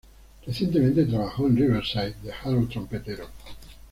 Recientemente trabajo en" Riverside" de Harold Trompetero.